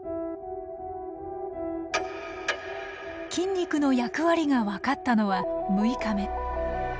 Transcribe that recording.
筋肉の役割が分かったのは６日目。